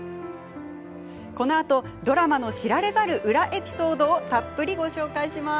このあと、ドラマの知られざる裏エピソードをたっぷりご紹介します。